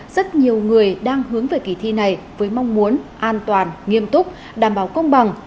rất nhiều người đang hướng về kỳ thi này với mong muốn an toàn nghiêm túc đảm bảo công bằng